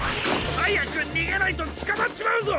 はやくにげないとつかまっちまうぞ！